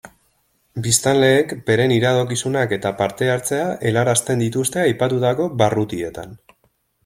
Biztanleek beren iradokizunak eta parte-hartzea helarazten dituzte aipatutako barrutietan.